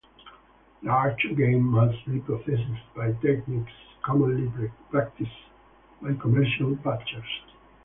Large game must be processed by techniques commonly practiced by commercial butchers.